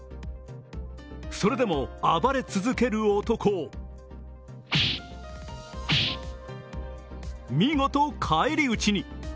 それでも暴れ続ける男を見事、返り討ちに。